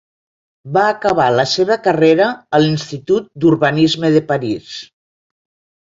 Va acabar la seva carrera a l'Institut d'urbanisme de París.